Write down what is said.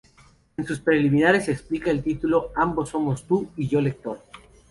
En sus preliminares se explica el título: "Ambos somos tú y yo lector".